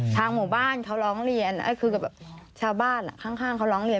หมู่บ้านเขาร้องเรียนคือกับชาวบ้านข้างเขาร้องเรียน